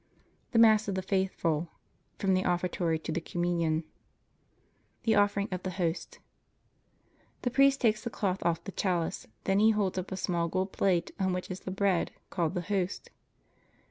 THE MASS OF THE FAITHFUL (From the Offertory to the Communion) THE OFFERING OF THE HOST The priest takes the cloth off the chalice. Then he holds up a small gold plate on which is the bread, called the host.